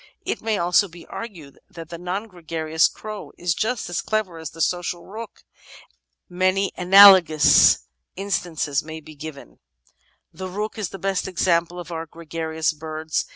It may also be argued that the non gregarious crow is just as clever as the social rook, and many analogous instances might be given." ^ The Rook is the best example of our gregarious birds.